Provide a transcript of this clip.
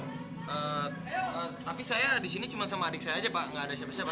eh tapi saya disini cuma sama adik saya aja pak gak ada siapa siapa